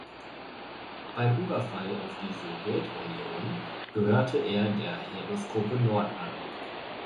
Beim Überfall auf die Sowjetunion gehörte er der Heeresgruppe Nord an.